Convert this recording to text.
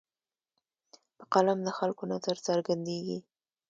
په قلم د خلکو نظر څرګندېږي.